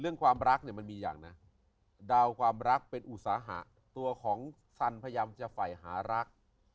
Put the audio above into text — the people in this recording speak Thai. ความรักเนี่ยมันมีอย่างนะดาวความรักเป็นอุตสาหะตัวของสันพยายามจะฝ่ายหารัก